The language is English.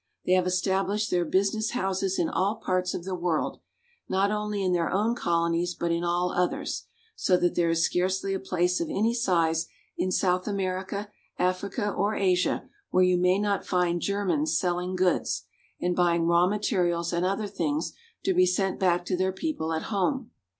They have estab lished their business houses in all parts of the world, not only in their own colonies but in all others; so that there is scarcely a place of any size in South America, Africa, or Asia where you may not find Germans selling goods, and buying raw materials and other things to be sent back to their people at home.